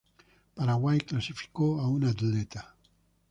Paraguay clasificó a un atleta.